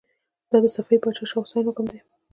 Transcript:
دا د صفوي پاچا شاه حسين حکم دی.